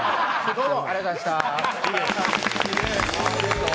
どうもありがとうございましたいいでしょう